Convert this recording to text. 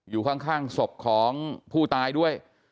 อยู่ข้างศพของผู้ตายด้วย